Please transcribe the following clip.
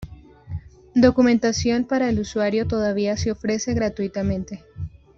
Documentación para el usuario todavía se ofrece gratuitamente.